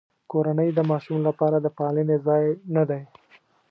کورنۍ د ماشوم لپاره د پالنې ځای نه دی.